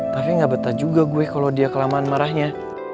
tapi gak betah juga gue kalau dia kelamaan marahnya